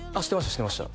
知ってました